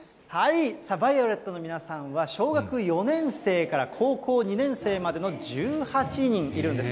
ＶＩＯＬＥＴの皆さんは小学４年生から高校２年生までの１８人いるんです。